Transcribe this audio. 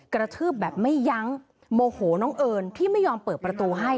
กระทืบแบบไม่ยั้งโมโหน้องเอิญที่ไม่ยอมเปิดประตูให้